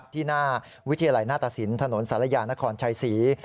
ที่หน้าวิทยาลัยหน้าตสินถนนศาลยานครชัยศรี